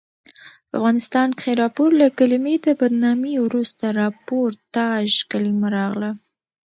په افغانستان کښي راپور له کلمې د بدنامي وروسته راپورتاژ کلیمه راغله.